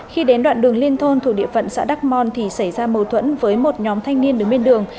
khi đến đoạn đường liên thôn thuộc địa phận xã đắc mon thì xảy ra mâu thuẫn với một nhóm thanh niên đứng bên đường